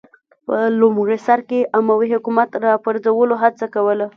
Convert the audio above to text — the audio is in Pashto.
په لومړي سر کې اموي حکومت راپرځولو هڅه کوله